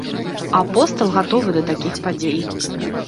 Апостал гатовы да такіх падзей.